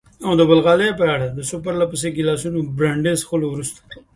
او د بلغاریا په اړه؟ د څو پرله پسې ګیلاسو برانډي څښلو وروسته.